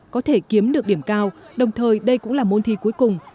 có thể kiếm được điểm cao đồng thời đây cũng là môn thi cuối cùng